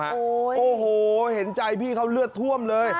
โอ้โหเห็นใจพี่เขาเลือดท่วมเลย